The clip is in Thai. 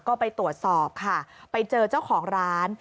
ก็ไปตรวจสอบค่ะไปเจอเจ้าของร้าน